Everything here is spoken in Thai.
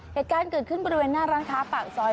เหตุการณ์เกิดขึ้นบริเวณหน้าร้านค้าปากซอย